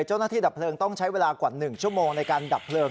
ดับเพลิงต้องใช้เวลากว่า๑ชั่วโมงในการดับเพลิง